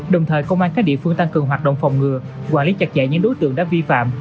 đồng thời công an các địa phương tăng cường hoạt động phòng ngừa quản lý chặt chẽ những đối tượng đã vi phạm